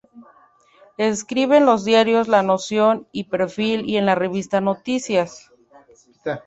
Escribe en los diarios "La Nación" y "Perfil" y en la revista "Noticias".